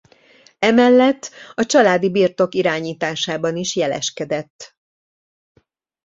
Emellett a családi birtok irányításában is jeleskedett.